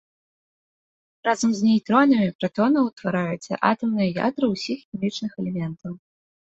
Разам з нейтронамі пратоны ўтвараюць атамныя ядры ўсіх хімічных элементаў.